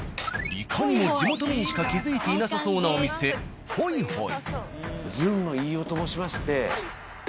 いかにも地元民しか気付いていなさそうなお店「ほいほい」。